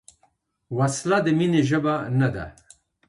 وسله د مینې ژبه نه ده